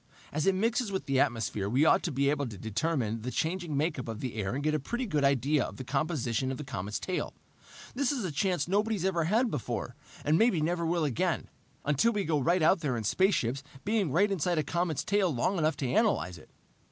As it mixes with the atmosphere we ought to be able to determine the changing makeup of the air and get a pretty good idea of the composition of the comet's tail. This is a chance nobody's ever had before and maybe never will again, until we go right out there in spaceships being right inside a comet's tail long enough to analyze it!"